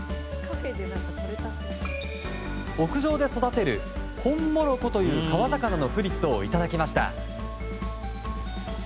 屋上で育てるホンモロコという川魚のフリットをいただきました。